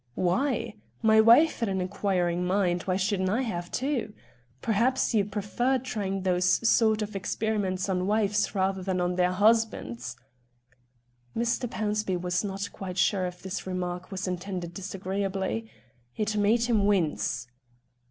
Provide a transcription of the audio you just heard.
"Why? My wife had an inquiring mind, why shouldn't I have too? Perhaps you prefer trying those sort of experiments on wives rather than on their husbands." Mr. Pownceby was not quite sure if this remark was intended disagreeably. It made him wince.